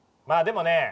まあでもね